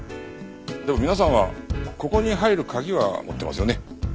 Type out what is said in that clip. でも皆さんはここに入る鍵は持ってますよね？